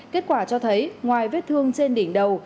kết quả cho thấy ngoài vết thương trên đỉnh đầu